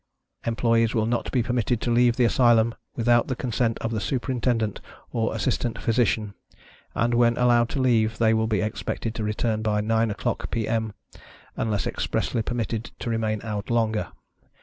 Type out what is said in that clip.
Employees will not be permitted to leave the Asylum without the consent of the Superintendent or Assistant Physician, and, when allowed to leave, they will be expected to return by 9 oâ€™clock P.Â M.â€"unless expressly permitted to remain out longer.